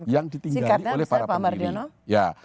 yang ditinggalkan oleh para pemilih